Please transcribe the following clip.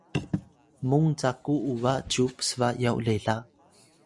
mung caku uba cyu psba yaw lela